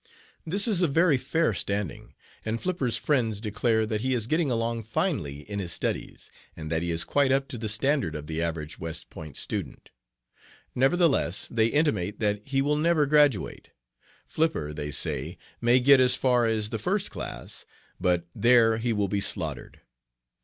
This is a very fair standing, and Flipper's friends declare that he is getting along finely in his studies, and that he is quite up to the standard of the average West Point student. Nevertheless they intimate that he will never graduate. Flipper, they say, may get as far as the first class, but there he will be 'slaughtered.'